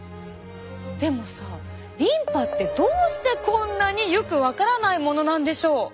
でもさリンパってどうしてこんなによく分からないものなんでしょう？